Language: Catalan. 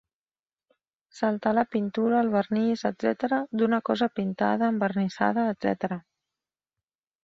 Saltar la pintura, el vernís, etc., d'una cosa pintada, envernissada, etc.